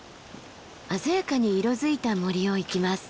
鮮やかに色づいた森を行きます。